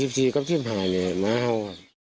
วัน๑๔ก็พี่ผ่านเนี่ยม้าเห่า